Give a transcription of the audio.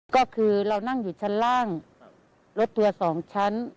ก็คือเรานั่งอยู่ชั้นล่างรถทัวร์๒ชั้น